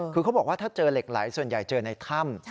คือเขาบอกว่าถ้าเจอเหล็กไหลส่วนใหญ่เจอในถ้ำ